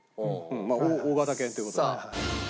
大型犬という事で。